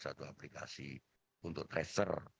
satu aplikasi untuk tracer